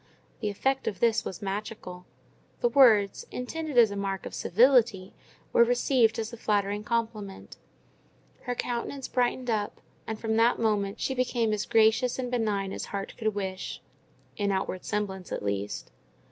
The effect of this was magical: the words, intended as a mark of civility, were received as a flattering compliment; her countenance brightened up, and from that moment she became as gracious and benign as heart could wish—in outward semblance at least.